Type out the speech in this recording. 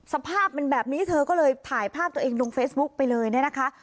สภาพมันแบบนี้เธอก็เลยถ่ายภาพตัวเองลงเฟซบุ๊กไปเลยเนี่ยนะคะ